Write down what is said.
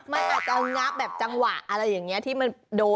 มันอาจจะเอางับแบบจังหวะอะไรอย่างนี้ที่มันโดน